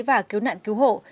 và cứu nạn cứu hộ